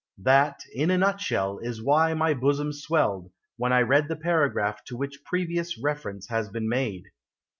That, in a nutshell, Is why my bosom swelled When I read the paragraph To which previous reference has been made.